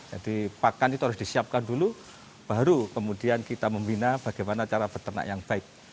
jadi pakan itu harus disiapkan dulu baru kemudian kita membina bagaimana cara peternak yang baik